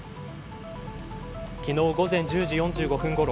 昨日午前１０時４５分ごろ。